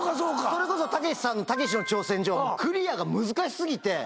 それこそたけしさんの『たけしの挑戦状』もクリアが難し過ぎて。